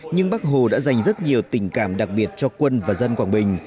nhưng bác hồ đã dành rất nhiều tình cảm đặc biệt cho quân và dân quảng bình